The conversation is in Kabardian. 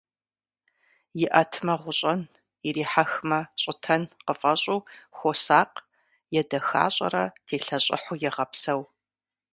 ИӀэтмэ, гъущӀэн, ирихьэхмэ, щӀытэн къыфэщӀу, хуосакъ, едэхащӀэрэ телъэщӀыхьу егъэпсэу.